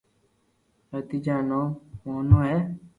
تيجا رو نوم مونو ھي